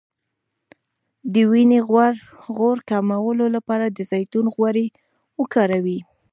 د وینې غوړ کمولو لپاره د زیتون غوړي وکاروئ